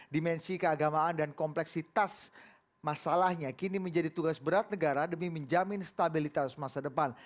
dimensi keagamaan dan kompleksitas masalahnya kini menjadi tugas berat negara demi menjamin stabilitas masa depan